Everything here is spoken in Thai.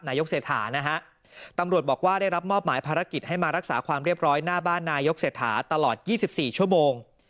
เศรษฐานะฮะตำรวจบอกว่าได้รับมอบหมายภารกิจให้มารักษาความเรียบร้อยหน้าบ้านนายกเศรษฐาตลอด๒๔ชั่วโมง